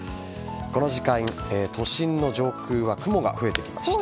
この時間都心の上空は雲が増えてきました。